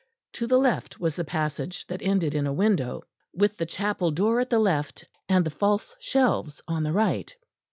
To the left was the passage that ended in a window, with the chapel door at the left and the false shelves on the right.